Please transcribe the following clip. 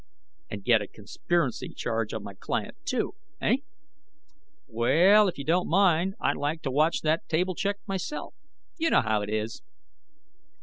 "And get a conspiracy charge on my client, too, eh? Well, if you don't mind, I'd like to watch that table check myself. You know how it is."